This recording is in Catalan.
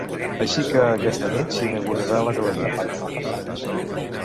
Així que, aquesta nit s'inaugurarà la galeria.